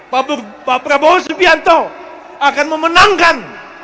pak prabowo subianto akan memenangkan